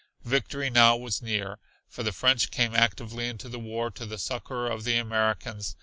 Victory now was near, for the French came actively into the war to the succor of the Americans.